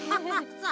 そう？